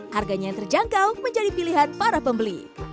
harganya yang terjangkau menjadi pilihan para pembeli